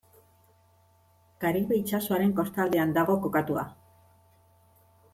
Karibe itsasoaren kostaldean dago kokatua.